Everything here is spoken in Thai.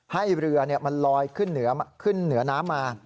ให้เรือมันลอยขึ้นเหนือน้ำมา